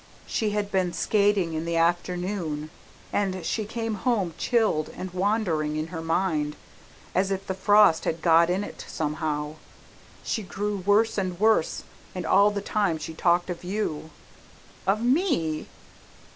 She had been skating in the afternoon, and she came home chilled and wandering in her mind, as if the frost had got in it somehow. She grew worse and worse, and all the time she talked of you." "Of me?"